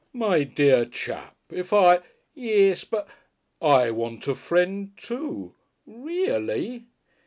"My dear chap, if I " "Yes, but " "I want a Friend, too." "Reely?"